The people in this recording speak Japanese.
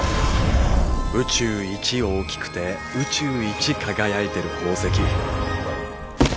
宇宙一大きくて宇宙一輝いてる宝石。